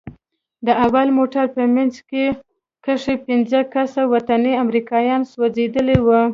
د اول موټر په منځ کښې پنځه کسه وطني امريکايان سوځېدلي وو.